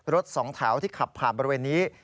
สองแถวที่ขับผ่านบริเวณนี้